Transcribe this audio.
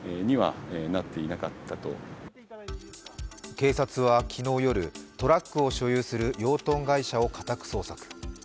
警察は昨日夜、トラックを所有する養豚会社を家宅捜索。